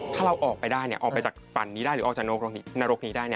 ถ้าเราออกไปได้ออกไปจากปั่นนี้ได้หรือออกจากนรกนี้ได้